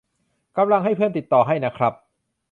กำลังให้เพื่อนติดต่อให้นะครับ